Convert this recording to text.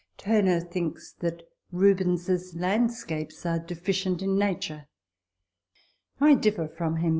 Turner thinks that Rubens's landscapes are deficient in nature. I differ from him.